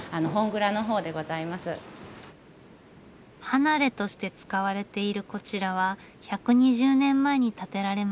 「離れ」として使われているこちらは１２０年前に建てられました。